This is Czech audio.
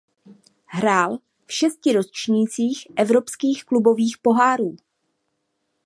Hrál v šesti ročnících evropských klubových pohárů.